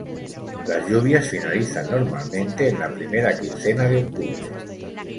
Las lluvias finalizan, normalmente, en la primera quincena de octubre.